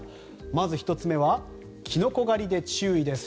まず１つ目はキノコ狩りで注意です。